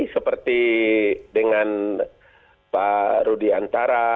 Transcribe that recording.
seperti dengan pak rudi antara